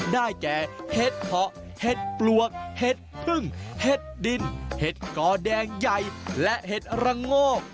ได้แก่เห็ดเพาะเห็ดปลวกเห็ดพึ่งเห็ดดินเห็ดกอแดงใหญ่และเห็ดระโงก